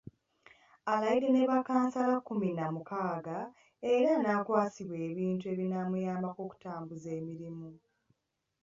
Alayidde ne bakkansala kkumi na mukaaga era n’akwasibwa ebintu ebinaamuyambako okutambuza emirimu.